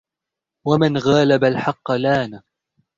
وَمَنْ غَالَبَ الْحَقَّ لَانَ